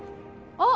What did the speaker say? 「あっ」